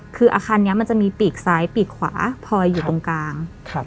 คืออาคารนี้มันจะมีปีกซ้ายปีกขวาพลอยอยู่ตรงกลาง